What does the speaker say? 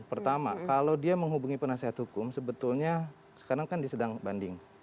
pertama kalau dia menghubungi penasehat hukum sebetulnya sekarang kan di sedang banding